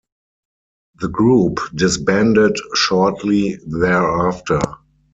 The group disbanded shortly thereafter.